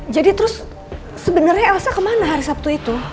jadi terus sebenernya elsa kemana hari sabtu itu